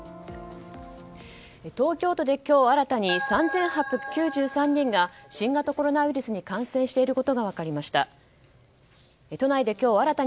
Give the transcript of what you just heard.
東京都で今日新たに３８９３人が新型コロナウイルスに感染していることが分かりました。